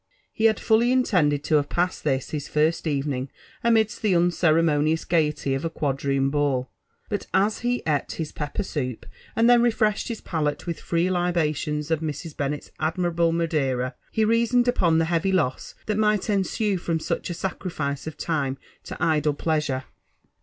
He had fully intended tp have passed this his first evening amidst the unceremonious gaiety of a Quadroon ball ; but as he eat his pepper* soup, and then refreshed his pallet wilh free libations of Mrs. Bennett's admirable Madeira he reasoned upon the heavy loss that might ensae from such a sacrifice of time to idle pleasure.